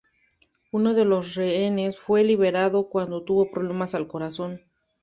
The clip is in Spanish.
Uno de los rehenes fue liberado cuando tuvo problemas al corazón.